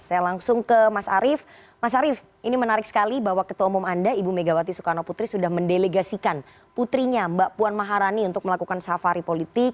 saya langsung ke mas arief mas arief ini menarik sekali bahwa ketua umum anda ibu megawati soekarno putri sudah mendelegasikan putrinya mbak puan maharani untuk melakukan safari politik